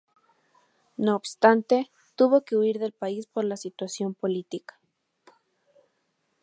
No obstante, tuvo que huir del país por la situación política.